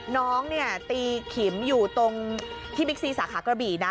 น้องเนี่ยตีขิมอยู่ตรงที่บิ๊กซีสาขากระบี่นะ